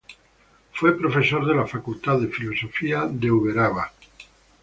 Fue profesor de la Facultad de Filosofía de Uberaba.